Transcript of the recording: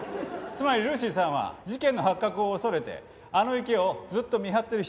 つまりルーシーさんは事件の発覚を恐れてあの池をずっと見張ってる必要があった。